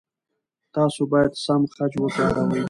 تاسو باید سم خج وکاروئ.